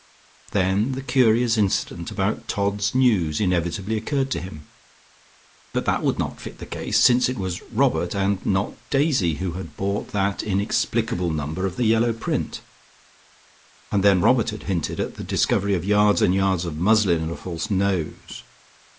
Then the curious incident about "Todd's News" inevitably occurred to him, but that would not fit the case, since it was Robert and not Daisy who had bought that inexplicable number of the yellow print. And then Robert had hinted at the discovery of yards and yards of muslin and a false nose.